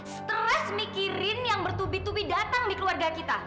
stres mikirin yang bertubi tubi datang di keluarga kita